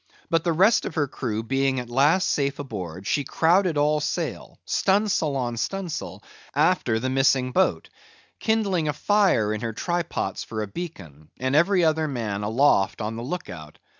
But the rest of her crew being at last safe aboard, she crowded all sail—stunsail on stunsail—after the missing boat; kindling a fire in her try pots for a beacon; and every other man aloft on the look out.